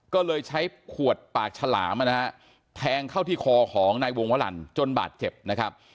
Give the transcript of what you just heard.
ก็เลยใช้ขวดปากฉลามนะฮะแทงเข้าที่คอของนายวงวลันจนบาดเจ็บนะครับ